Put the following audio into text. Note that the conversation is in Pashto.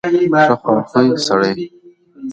ښه خواوې سړوئ.